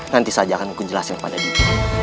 nanti saja akan kujelasin kepada diri